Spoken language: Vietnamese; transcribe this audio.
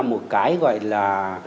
một cái gọi là